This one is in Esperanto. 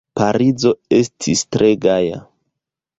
Parizo estis tre gaja.